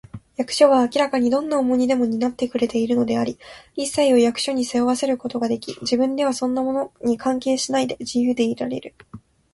役所は明らかにどんな重荷でも担ってくれているのであり、いっさいを役所に背負わせることができ、自分ではそんなものに関係しないで、自由でいられる